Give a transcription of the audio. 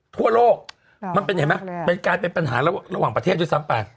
ทั่วโลกมันเป็นเห็นไหมมันกลายเป็นปัญหาระหว่างประเทศด้วยซ้ำไป